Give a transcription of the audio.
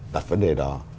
đặt vấn đề đó